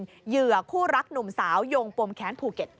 เหยื่อคู่รักหนุ่มสาวโยงปมแค้นภูเก็ต